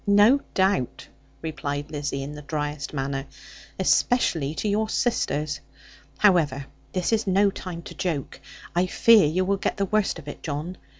'No doubt,' replied Lizzie, in the driest manner; 'especially to your sisters. However this is no time to joke. I fear you will get the worst of it, John.